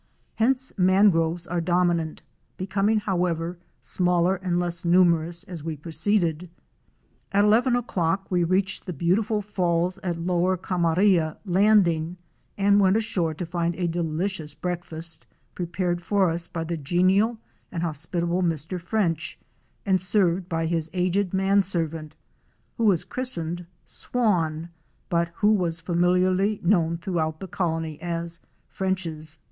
Hence mangroves are dominant, becoming, however, smaller and less numerous as we proceeded. At eleven o'clock we reached the beautiful falls at Lower Camaria Landing and went ashore to find a delicious breakfast prepared for us by the genial and hospitable Mr. French and served by his eged man servant, who was christened Swan, but who was familiarly known throughout the colony as '"French's Boy."